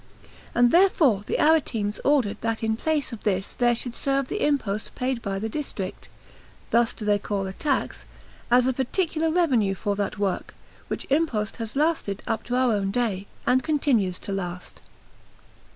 And therefore the Aretines ordained that in place of this there should serve the impost paid by the district (thus do they call a tax), as a particular revenue for that work; which impost has lasted up to our own day, and continues to last.